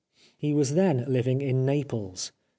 He was then living in Naples.